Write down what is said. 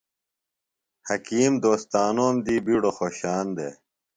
حکیم دوستانوم دی بِیڈوۡ خوۡشان دےۡ۔